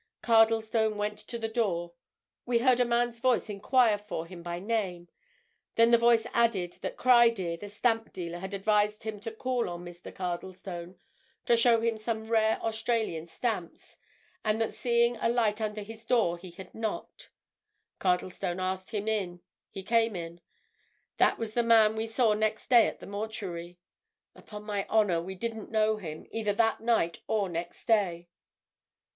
Cardlestone went to the door: we heard a man's voice enquire for him by name; then the voice added that Criedir, the stamp dealer, had advised him to call on Mr. Cardlestone to show him some rare Australian stamps, and that seeing a light under his door he had knocked. Cardlestone asked him in—he came in. That was the man we saw next day at the mortuary. Upon my honour, we didn't know him, either that night or next day!"